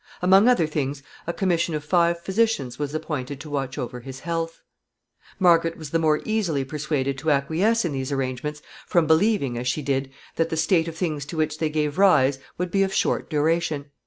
Among other things, a commission of five physicians was appointed to watch over his health. [Sidenote: She concludes to submit.] Margaret was the more easily persuaded to acquiesce in these arrangements from believing, as she did, that the state of things to which they gave rise would be of short duration.